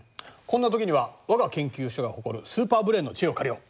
こんなときにはわが研究所が誇るスーパーブレーンの知恵を借りよう。